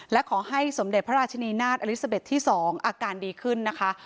และขอให้สมเด็จพระราชนีนาฏอลิซาเบ็ดที่๒อาการดีขึ้นนะคะ